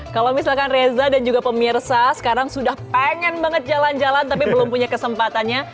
kalau misalkan reza dan juga pemirsa sekarang sudah pengen banget jalan jalan tapi belum punya kesempatannya